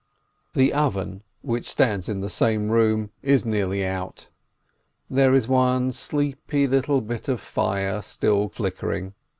The oven, which stands in the same room, is nearly out, there is one sleepy little bit of fire still flickering.